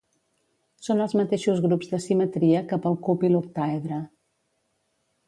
Són els mateixos grups de simetria que pel cub i l'octàedre.